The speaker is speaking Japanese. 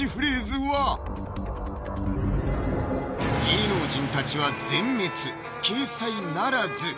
芸能人たちは全滅掲載ならず！